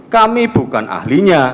kami bukan ahlinya